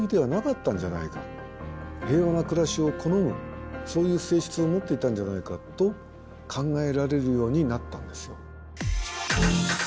平和な暮らしを好むそういう性質を持っていたんじゃないかと考えられるようになったんですよ。